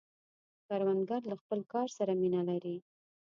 کروندګر له خپل کار سره مینه لري